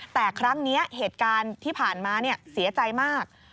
แต่ครั้งนี้เหตุการณ์ที่ผ่านมาเสียใจมาก